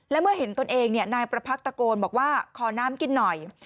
และเมื่อเห็นตนเองนายประพักษตะโกนบอกว่าขอน้ำกินหน่อย